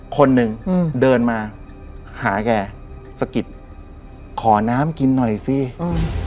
คนหนึ่งอืมเดินมาหาแกสะกิดขอน้ำกินหน่อยสิอืม